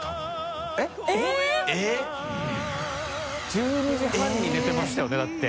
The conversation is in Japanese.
１２時半に寝てましたよねだって。